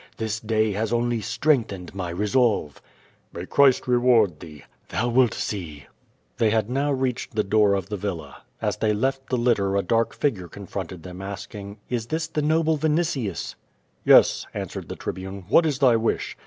This day has only strengthened my resolve." "May Christ reward thee/' "Thou wilt see." QUO VADIS. 425 They had now reached the door of the villa. As they left the litter a dark figure confronted them, asking: "Is this the noble Vinitius?" Yes," answered the Tribune, "what is thy wish?"